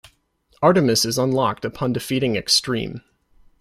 Artemis is unlocked upon defeating Extreme.